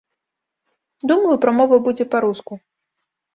Думаю, прамова будзе па-руску.